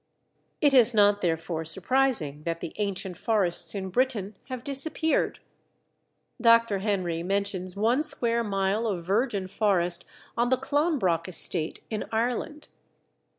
It is not, therefore, surprising that the ancient forests in Britain have disappeared. Dr. Henry mentions one square mile of virgin forest on the Clonbrock estate in Ireland.